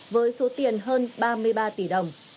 với số tiền hơn ba mươi ba tỷ đồng